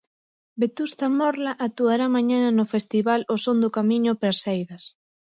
Vetusta Morla actuará mañá no festival "O Son do Camiño Perseidas".